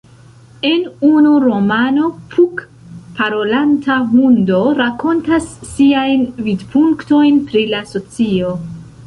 En unu romano, "Puck", parolanta hundo rakontas siajn vidpunktojn pri la socio.